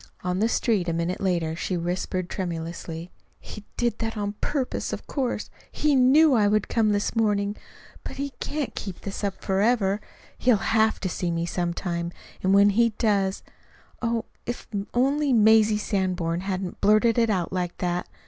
On the street a minute later she whispered tremulously: "He did it on purpose, of course. He KNEW I would come this morning! But he can't keep it up forever! He'll HAVE to see me some time. And when he does Oh, if only Mazie Sanborn hadn't blurted it out like that!